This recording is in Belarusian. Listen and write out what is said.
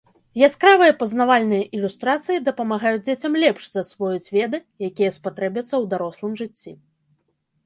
Яскравыя пазнавальныя ілюстрацыі дапамагаюць дзецям лепш засвоіць веды, якія спатрэбяцца ў дарослым жыцці.